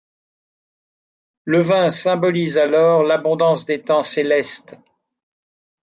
Le vin symbolise alors l'abondance des temps célestes.